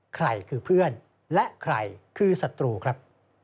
ใครคือเพื่อนและใครคือศัตรูครับ